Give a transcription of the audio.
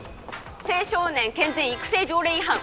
青少年健全育成条例違反！